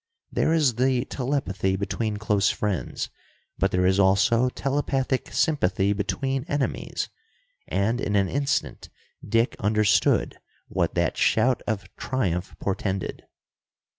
There is the telepathy between close friends, but there is also telepathic sympathy between enemies, and in an instant Dick understood what that shout of triumph portended.